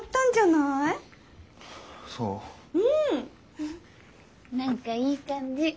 なんかいい感じ。